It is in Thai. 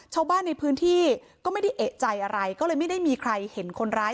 ชาวบ้านในพื้นที่ก็ไม่ได้เอกใจอะไรก็เลยไม่ได้มีใครเห็นคนร้าย